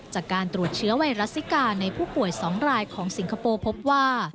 จากการตรวจเชื้อไวรัสซิกาในผู้ป่วย๒รายของสิงคโปร์พบว่า